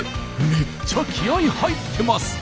めっちゃ気合い入ってます！